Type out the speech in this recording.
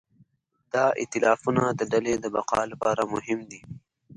دا ایتلافونه د ډلې د بقا لپاره مهم دي.